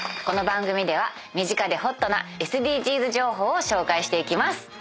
この番組では身近でホットなＳＤＧｓ情報を紹介していきます。